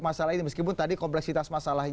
masalah ini meskipun tadi kompleksitas masalahnya